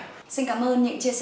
xin cảm ơn những chia sẻ của ông